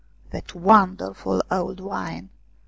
That wonderful old wine